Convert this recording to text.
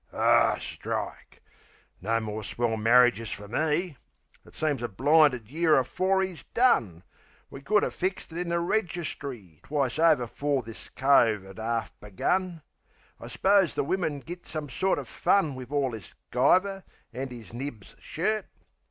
Ar, strike! No more swell marridges fer me! It seems a blinded year afore 'e's done. We could 'a' fixed it in the registree Twice over 'fore this cove 'ad 'arf begun. I s'pose the wimmin git some sorter fun Wiv all this guyver, an' 'is nibs's shirt.